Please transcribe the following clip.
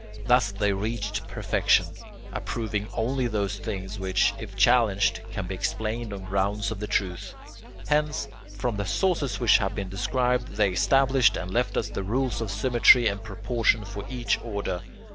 Thus they reached perfection, approving only those things which, if challenged, can be explained on grounds of the truth. Hence, from the sources which have been described they established and left us the rules of symmetry and proportion for each order.